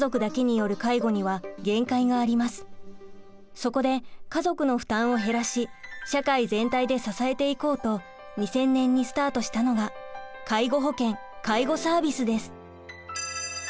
そこで家族の負担を減らし社会全体で支えていこうと２０００年にスタートしたのが介護保険・介護サービスです。